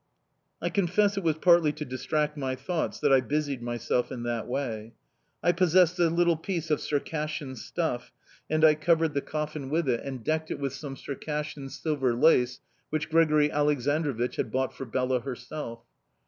"I confess it was partly to distract my thoughts that I busied myself in that way. I possessed a little piece of Circassian stuff, and I covered the coffin with it, and decked it with some Circassian silver lace which Grigori Aleksandrovich had bought for Bela herself.